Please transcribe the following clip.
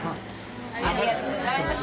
ありがとうございます